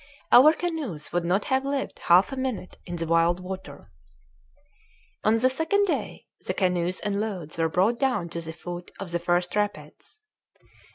Our canoes would not have lived half a minute in the wild water. On the second day the canoes and loads were brought down to the foot of the first rapids.